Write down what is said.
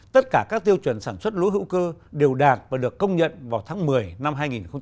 tất cả các tiêu chuẩn sản xuất lúa hữu cơ đều đạt và được công nhận vào tháng một mươi năm hai nghìn một mươi chín